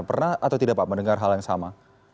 pernah atau tidak pak mendengar hal yang sama